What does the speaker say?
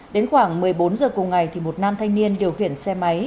đến khoảng một mươi bốn h cùng ngày một nam thanh niên điều khiển xe máy